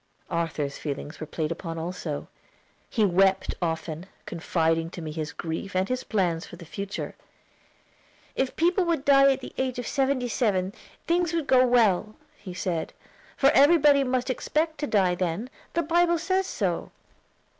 Arthur's feelings were played upon also. He wept often, confiding to me his grief and his plans for the future. "If people would die at the age of seventy five, things would go well," he said, "for everybody must expect to die then; the Bible says so."